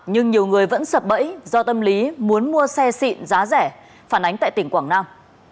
nhưng nhiều người vẫn sập bẫy do tâm lý muốn mua xe xịn giá rẻ phản ánh tại tỉnh quảng nam